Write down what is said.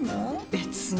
別に。